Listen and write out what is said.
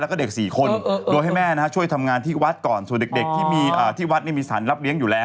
แต่ต้องให้ทางกูภัยพาเด็ก๕คนไปฉันนะครับ